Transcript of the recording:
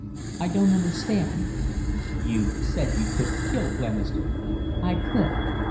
"I don't understand." "You said you could kill Glenister." "I could."